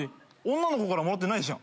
女の子からもらってないじゃん。